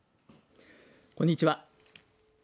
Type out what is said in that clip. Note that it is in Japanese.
こんにちは。